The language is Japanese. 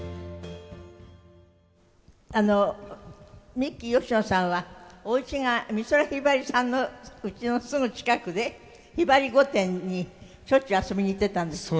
ミッキー吉野さんはお家が美空ひばりさんの家のすぐ近くでひばり御殿にしょっちゅう遊びに行っていたんですって？